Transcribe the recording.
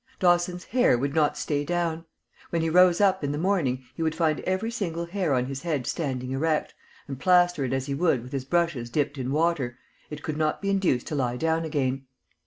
Dawson's hair would not stay down. When he rose up in the morning he would find every single hair on his head standing erect, and plaster it as he would with his brushes dipped in water, it could not be induced to lie down again.